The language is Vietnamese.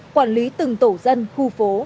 quản lý từng tổ dân khu phố